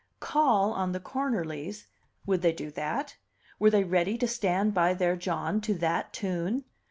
Call on the Cornerlys! Would they do that? Were they ready to stand by their John to that tune?